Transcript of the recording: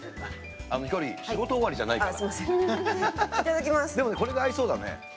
ヒコロヒー仕事終わりじゃないから。